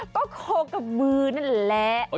ก็โคกะเบลนั่นแหละ